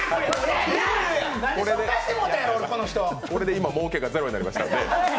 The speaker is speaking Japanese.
これで今、もうけがゼロになりましたからね。